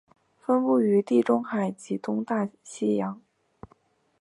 分布于地中海及东大西洋。